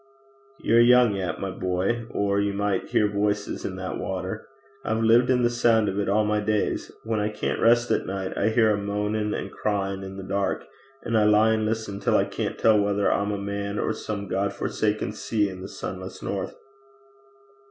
'You're young yet, my boy, or you might hear voices in that water ! I've lived in the sound of it all my days. When I can't rest at night, I hear a moaning and crying in the dark, and I lie and listen till I can't tell whether I'm a man or some God forsaken sea in the sunless north.'